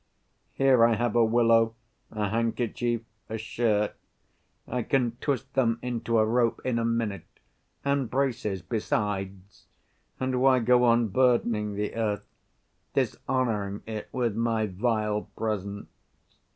Here I have a willow, a handkerchief, a shirt, I can twist them into a rope in a minute, and braces besides, and why go on burdening the earth, dishonoring it with my vile presence?